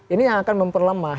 ini yang akan memperlemah